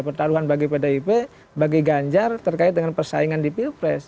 pertaruhan bagi pdip bagi ganjar terkait dengan persaingan di pilpres